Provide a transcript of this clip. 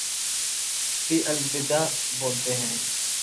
فی البدیہہ بولتے ہیں۔